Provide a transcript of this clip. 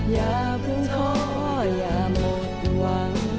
อย่าพึ่งท้อยอย่าหมดหวัง